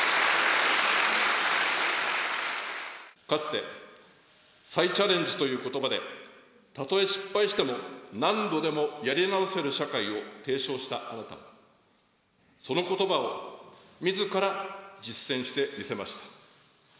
かつて再チャレンジということばで、たとえ失敗しても、何度でもやり直せる社会を提唱したあなたは、そのことばをみずから実践して見せました。